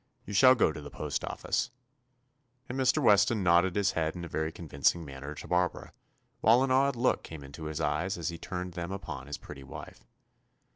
You shall go to' the postoffice," and Mr. Weston nodded his head in a very convincing manner to Barbara, while an odd look came into his eyes as he turned them upon his pretty wife.